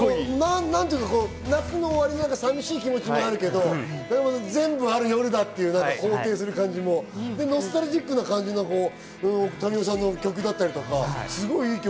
夏の終わりの寂しい気持ちもあるけど、全部、ある夜だっていう肯定する感じも、ノスタルジックな感じの民生さんの曲だったりとか、すごくいい曲。